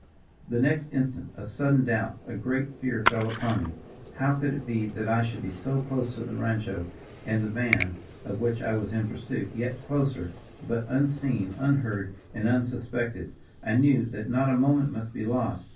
The next instant a sudden doubt, a great fear fell upon me. How could it be that I should be so close to the rancho and the band, of which I was in pursuit, yet closer, but unseen, unheard and unsuspected. I knew that not a moment must be lost.